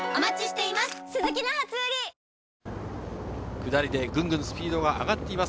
下りでぐんぐんスピードが上がっています。